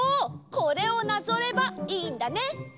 これをなぞればいいんだね！